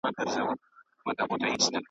چي پښېمانه سوه له خپله نصیحته .